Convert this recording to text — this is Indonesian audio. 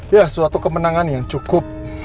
ya suatu kemenangan yang cukup